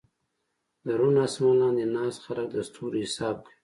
د روڼ اسمان لاندې ناست خلک د ستورو حساب کوي.